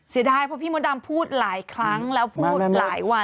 เสียดายเพราะพี่มดดำพูดหลายครั้งแล้วพูดหลายวัน